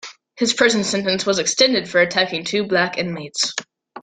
His prison sentence was extended for attacking two black inmates.